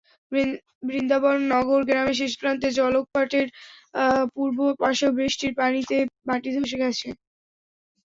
বৃন্দাবননগর গ্রামের শেষ প্রান্তে জলকপাটের পূর্ব পাশেও বৃষ্টির পানিতে মাটি ধসে গেছে।